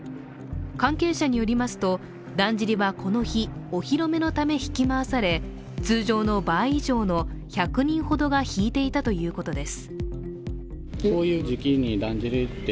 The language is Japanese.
関係者によりますと、だんじりはこの日、お披露目のため、引き回され、通常の倍以上の１００人ほどが引いていたということです。